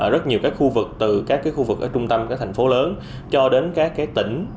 rất nhiều khu vực từ các khu vực trung tâm các thành phố lớn cho đến các tỉnh